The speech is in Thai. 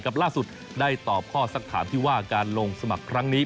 ล่าสุดได้ตอบข้อสักถามที่ว่าการลงสมัครครั้งนี้